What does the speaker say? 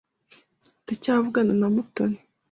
Ndacyavugana na Mutoni.